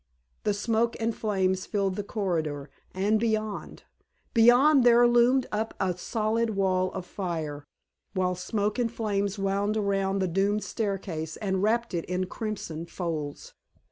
The smoke and flames filled the corridor, and beyond beyond there loomed up a solid wall of fire, while smoke and flames wound around the doomed staircase and wrapped it in crimson folds.